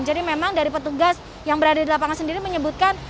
jadi memang dari petugas yang berada di lapangan sendiri menyebutkan